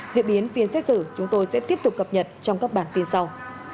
diễn biến phiên xét xử chúng tôi sẽ tiếp tục cập nhật trong các bản tin sau